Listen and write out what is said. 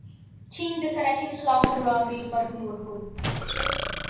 چین د صنعتي انقلاب پر وړاندې غبرګون وښود.